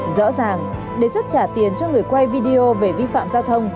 rõ ràng đề xuất trả tiền cho người quay video về vi phạm giao thông